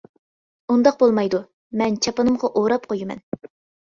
-ئۇنداق بولمايدۇ، مەن چاپىنىمغا ئوراپ قۇيىمەن.